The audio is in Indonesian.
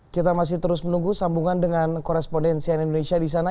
kita masih terus menunggu sambungan dengan korespondensian indonesia di sana